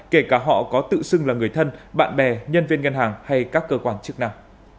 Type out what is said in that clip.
kể cả họ có tự xưng là người thân bạn bè nhân viên ngân hàng hay các cơ quan chức năng